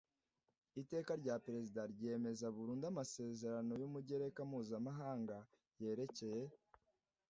iteka rya perezida ryemeza burundu amasezerano y umugereka mpuzamahanga yerekeye